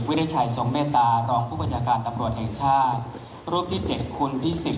ถือว่าชีวิตที่ผ่านมายังมีความเสียหายแก่ตนและผู้อื่น